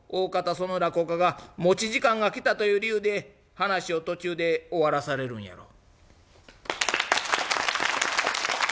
その落語家が持ち時間が来たという理由で話を途中で終わらされるんやろう」。